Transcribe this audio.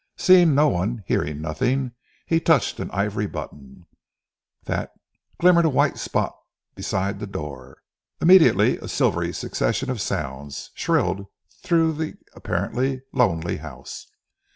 Seeing no one, hearing nothing, he touched an ivory button, that glimmered a white spot beside the door. Immediately a silvery succession of sounds, shrilled through the apparently lonely house.